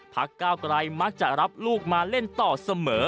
ก้าวไกลมักจะรับลูกมาเล่นต่อเสมอ